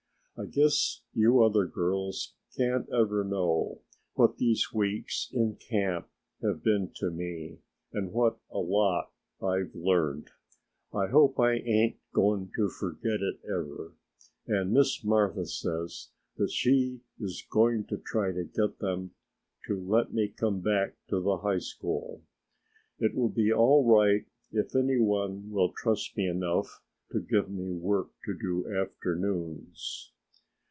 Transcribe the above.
"I guess you other girls can't ever know what these weeks in camp have been to me and what a lot I've learned. I hope I ain't going to forget it ever and Miss Martha says she is going to try to get them to let me come back to the High School. It will be all right if any one will trust me enough to give me work to do afternoons."